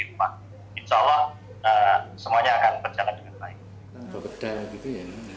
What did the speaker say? ikuti anjuran dari dokter selama perawatan baik yang di rumah sakit maupun yang isolasi